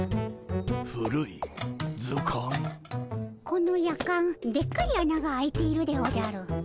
このやかんでっかいあなが開いているでおじゃる。